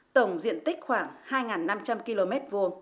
tổng diện tích khoảng hai năm trăm linh km hai